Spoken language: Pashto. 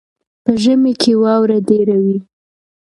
په ژمي کې واوره ډېره وي.